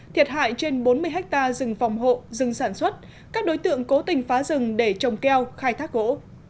thiệt hại trên bốn mươi ha rừng phòng hộ rừng sản xuất các đối tượng cố tình phá rừng để trồng keo khai thác gỗ